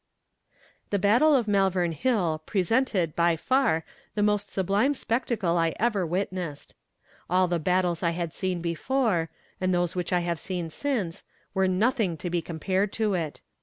The battle of Malvern Hill presented, by far, the most sublime spectacle I ever witnessed. All the battles I had seen before, and those which I have seen since, were nothing to be compared to it.